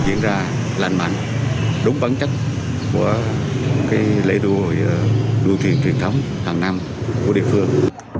diễn ra lành mạnh đúng bản chất của lễ đua thuyền truyền thống hàng năm của địa phương